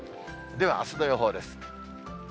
ではあすの予報です。